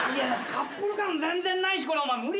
カップル感全然ないしこれお前無理だよ。